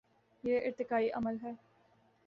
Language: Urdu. یہ ارتقائی عمل ہے۔